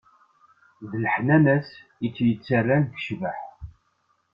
D leḥnana-as i tt-yettarran tecbeḥ.